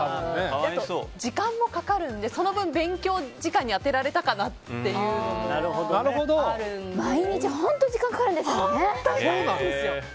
あと、時間もかかるのでその分、勉強時間に充てられたかなっていうのも毎日、本当に時間がかかるんですよね。